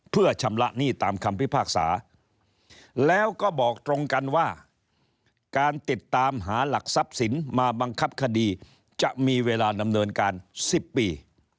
เพื่อชำระหนี้ตามคำพิพากษาแล้วก็บอกตรงกันว่าการติดตามหาหลักทรัพย์สินมาบังคับคดีจะมีเวลาดำเนินการ๑๐ปี